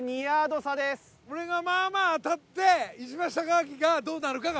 俺がまあまあ当たって石橋貴明がどうなるかが。